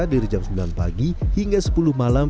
dari jam sembilan pagi hingga sepuluh malam